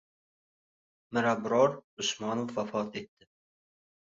Mirabror Usmonov vafot etdi